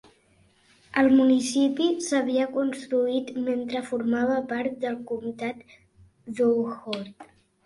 El municipi s'havia constituït mentre formava part del comtat d'Houghton.